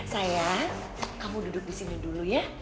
saya kamu duduk di sini dulu ya